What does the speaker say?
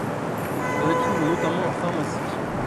On les trouve notamment en pharmacie.